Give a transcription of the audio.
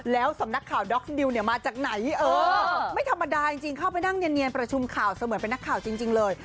แล้วสำนักข่าวด็อกดิวเนี่ยมาจากไหนเออไม่ธรรมดาจริงเข้าไปนั่งเนียนประชุมข่าวเสมือนเป็นนักข่าวจริงเลย